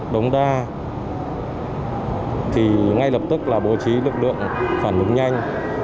đống đa thì ngay lập tức là bố trí lực lượng phản ứng nhanh